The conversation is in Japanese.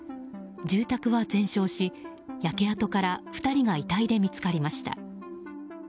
住宅は全焼し、焼け跡から２人が遺体で見つかりました。